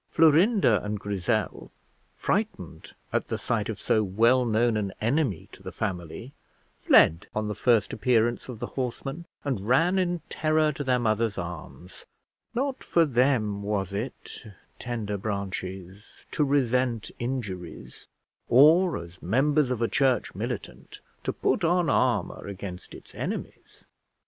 Florinda and Grizzel, frightened at the sight of so well known an enemy to the family, fled on the first appearance of the horseman, and ran in terror to their mother's arms; not for them was it, tender branches, to resent injuries, or as members of a church militant to put on armour against its enemies.